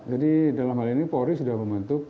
jadi dalam hal ini polri sudah membentuk